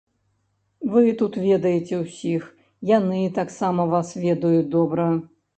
Вы тут ведаеце ўсіх, яны таксама вас ведаюць добра.